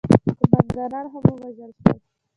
قوماندانان هم ووژل شول.